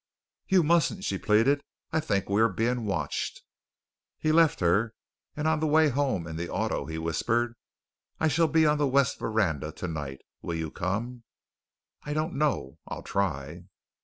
"You mustn't," she pleaded. "I think we are being watched." He left her, and on the way home in the auto he whispered: "I shall be on the west veranda tonight. Will you come?" "I don't know, I'll try."